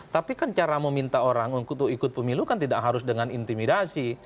tapi kan cara meminta orang untuk ikut pemilu kan tidak harus dengan intimidasi